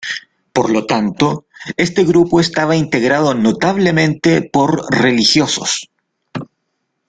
Por lo tanto, este grupo estaba integrado notablemente por religiosos.